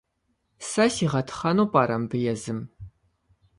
Сэ сигъэтхъэну пӏэрэ мыбы езым?